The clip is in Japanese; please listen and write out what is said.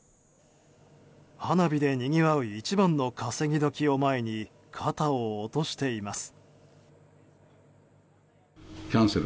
花火でにぎわう一番の稼ぎ時を前に肩を落としています。